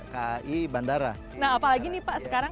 kai bandara nah apalagi nih pak sekarang